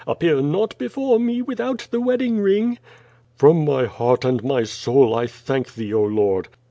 Appear not before me without the wedding ring." "From my heart and my soul, I thank thee, oh. Lord!"